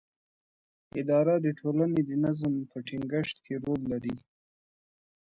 اداره د ټولنې د نظم په ټینګښت کې رول لري.